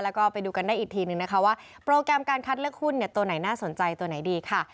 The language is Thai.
แล้วก็ไปดูกันได้อีกทีนึงนะคะว่าโปรแกรมการคัดเลือกหุ้นตัวไหนน่าสนใจตัวไหนดีค่ะ